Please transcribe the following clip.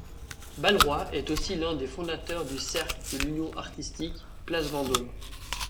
Balleroy est aussi l'un des fondateurs du Cercle de l'union artistique, place Vendôme.